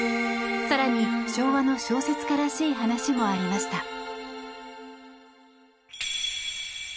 更に、昭和の小説家らしい話もありました。